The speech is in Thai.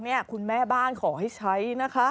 นี่คุณแม่บ้านขอให้ใช้นะคะ